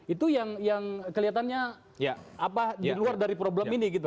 itu yang kelihatannya di luar dari problem ini gitu